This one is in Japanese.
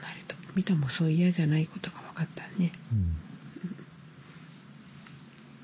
ビタもそう嫌じゃないことが分かったよね。